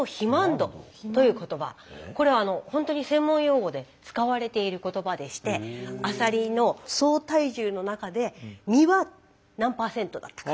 これはほんとに専門用語で使われている言葉でしてアサリの総体重の中で身は何％だったか。